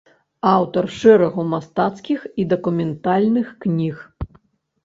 Аўтар шэрагу мастацкіх і дакументальных кніг.